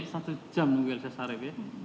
satu jam menunggu elisah sharif ya